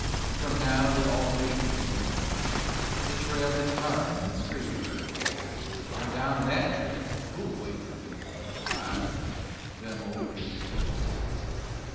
From now, the all day gait for me, The trail that's hard but straight for me, For down that trail, who'll wait for me! Ay! them old days were wasted!